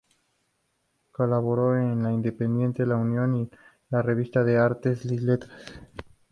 Colaboró en "El Independiente", "La Unión" y en la "Revista de Artes y Letras".